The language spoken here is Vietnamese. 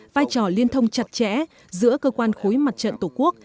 vai trò liên thông chặt chẽ giữa cơ quan khối mặt trận tổ quốc